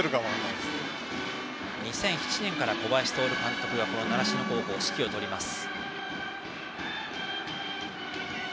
２００７年から小林徹監督が習志野高校の指揮を執ります。